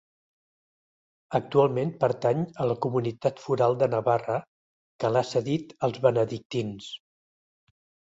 Actualment pertany a la Comunitat Foral de Navarra que l'ha cedit als benedictins.